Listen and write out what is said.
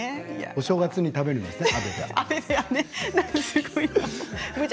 お正月に食べるんですかね。